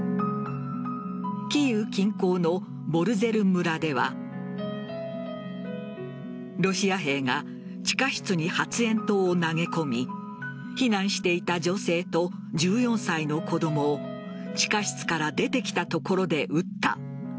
キーウ近郊のボルゼル村ではロシア兵が地下室に発煙筒を投げ込み避難していた女性と１４歳の子供を地下室から出てきたところで撃った。